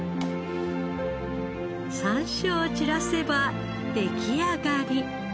さんしょうを散らせば出来上がり。